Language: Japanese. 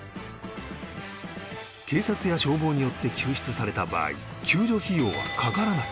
警察や消防によって救出された場合救助費用はかからない。